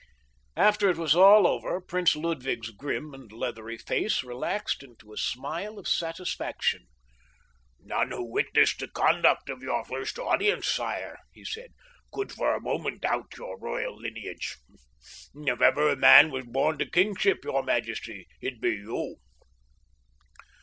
After it was all over Prince Ludwig's grim and leathery face relaxed into a smile of satisfaction. "None who witnessed the conduct of your first audience, sire," he said, "could for a moment doubt your royal lineage—if ever a man was born to kingship, your majesty, it be you."